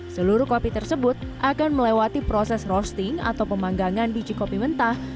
seluruh kopi tersebut akan melewati proses roasting atau pemanggangan biji kopi mentah